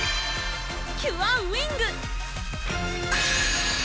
キュアウィング！